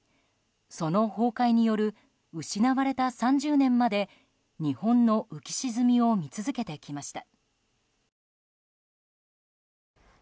その崩壊による失われた３０年まで日本の浮き沈みを見続けてきました。